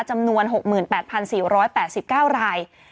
จำนวน๖๘๔๘๙ราย